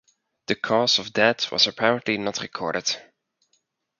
The cause of death was apparently not recorded.